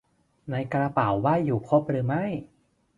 ในกระเป๋าว่าอยู่ครบหรือไม่